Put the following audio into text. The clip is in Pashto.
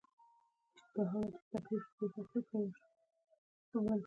قدرت څنګه له تاوتریخوالي پرته سقوط کوي؟